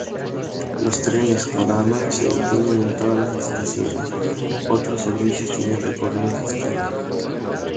Los trenes "Kodama" se detienen en todas las estaciones; otros servicios tienen recorridos distintos.